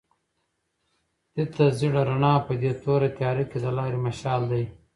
تته زېړه رڼا په دې توره تیاره کې د لارې مشال دی.